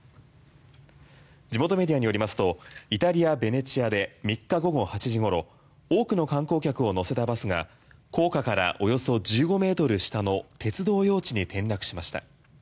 地元メディアによりますとイタリア・ベネチアで３日午後８時ごろ多くの観光客を乗せたバスが高架からおよそ１５ｍ下の鉄道用地に転落しました。